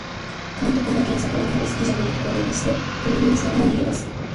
監督が原作あんまり好きじゃないと公言してプロデューサーも逃げ出す